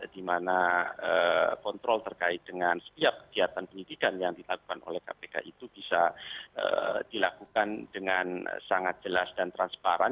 di mana kontrol terkait dengan setiap kegiatan penyidikan yang dilakukan oleh kpk itu bisa dilakukan dengan sangat jelas dan transparan